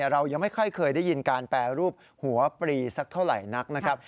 เรายังไม่ค่อยเคยได้ยินการแปรรูปหัวปรีสักเท่าไหร่นักนะครับ